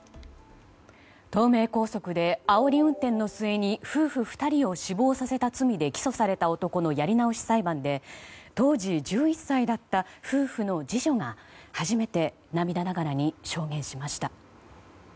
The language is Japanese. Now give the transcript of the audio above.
東名高速であおり運転の末に夫婦２人を死亡させた罪で起訴された男のやり直し裁判で当時１１歳だった夫婦の次女が初めて涙ながらに証言しました。